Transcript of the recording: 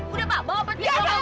udah pak bawa peti ke rumah